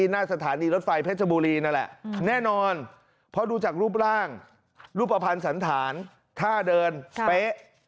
หน้าสถานีรถไฟเพชรบุรีนั่นแหละแน่นอนเพราะดูจากรูปร่างรูปภัณฑ์สันฐานท่าเดินเป๊ะ